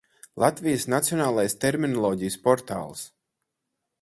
Latvijas Nacionālais terminoloģijas portāls